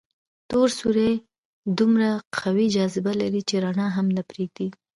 تور سوري دومره قوي جاذبه لري چې رڼا هم نه پرېږدي.